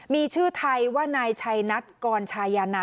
มีชื่อไทยว่านายชัยนัทกรชายานะ